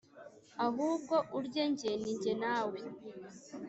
ahubwo urye jye nijye nawe